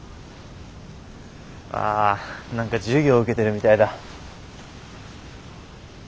あ何か授業受けてるみたいだ。